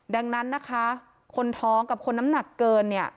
ดังนั้นนะคะคนท้องกับคนน้ำหนักเกินเนี่ย